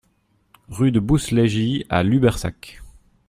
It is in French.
Rue de la Bousseleygie à Lubersac